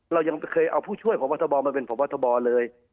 เรายังเคยเอาผู้ช่วยพบมาเป็นพบเลย